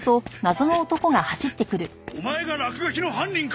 オマエが落書きの犯人か！